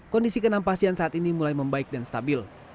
kondisi ke enam pasien saat ini mulai membaik dan stabil